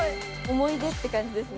・・思い出って感じですね・